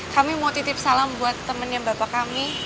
kami mau titip salam buat temennya bapak kami